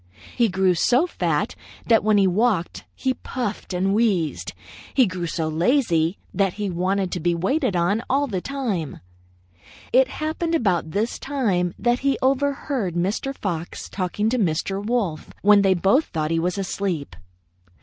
He grew so fat that when he walked, he puffed and wheezed. He grew so lazy that he wanted to be waited on all the time. "It happened about this time that he overheard Mr. Fox talking to Mr. Wolf when they both thought him asleep.